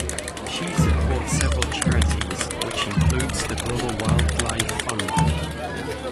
She supports several charities, which includes the Global Wildlife Fund.